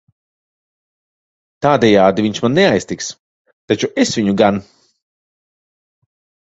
Tādejādi viņš mani neaiztiks, taču es viņu gan.